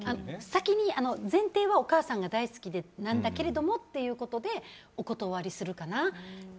先に、前提はお母さんが大好きなんだけれどもということでお断りするかな。